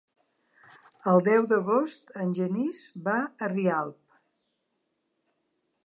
El deu d'agost en Genís va a Rialp.